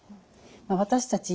私たち